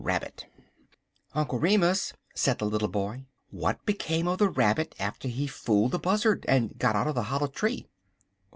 RABBIT "UNCLE REMUS," said the little boy, "what became of the Rabbit after he fooled the Buzzard, and got out of the hollow tree?"